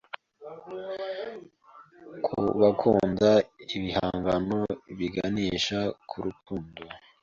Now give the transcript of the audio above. ku bakunda ibihangano biganisha ku rukundo